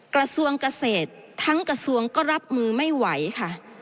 กระทรวงเกษตรทั้งกระทรวงก็รับมือไม่ไหวค่ะ